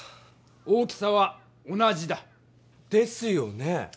大きさは同じだ。ですよね！